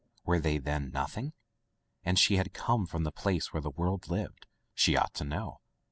Were they, then, nothing ? And she had come from the place where the world lived. She ought to know.